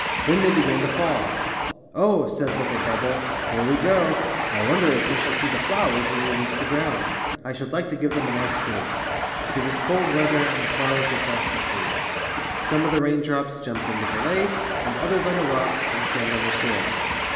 Then they began to fall. said little Bubble, ^Tere we go. I wonder if we shall see the flowers when we reach the ground. I should like to give them a nice drink.^^ But it was cold weather and the flowers were fast asleep. Some of the rain drops jumped into the lake and others on the rocks and sand on the shore.